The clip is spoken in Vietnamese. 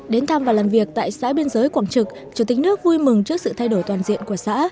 đến thăm và làm việc tại xã biên giới quảng trực chủ tịch nước vui mừng trước sự thay đổi toàn diện của xã